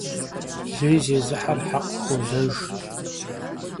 Lêy zêzıher hekh xuozejj.